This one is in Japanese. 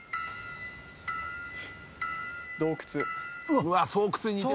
洞窟。